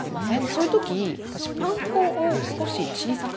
そういう時私パン粉を少し小さくします。